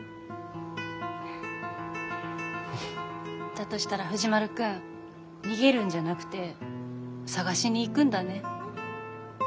だとしたら藤丸君逃げるんじゃなくて探しに行くんだね。